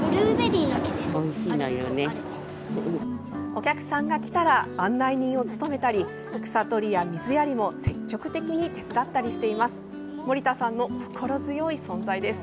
お客さんが来たら案内人を務めたり草取りや水やりも積極的に手伝ったりしています。